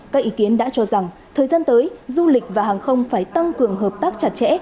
các ý kiến đã cho rằng thời gian tới du lịch và hàng không phải tăng cường hợp tác chặt chẽ